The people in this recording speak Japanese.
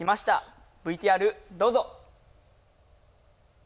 ＶＴＲどうぞ。